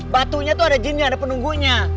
batunya itu ada jinnya ada penunggunya